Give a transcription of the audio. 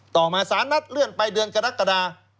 ต่อมาสารนัดเลื่อนไปเดือนกรกฎา